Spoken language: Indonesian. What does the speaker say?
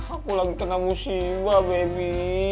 aku lagi kena musibah baby